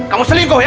kamu selingkuh ya